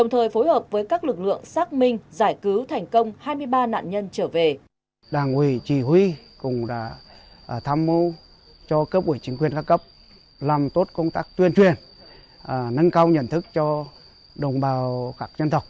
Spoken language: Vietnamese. hối hợp với các lực lượng xác minh giải cứu thành công hai mươi ba nạn nhân trở về